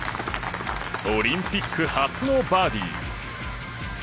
オリンピック初のバーディー。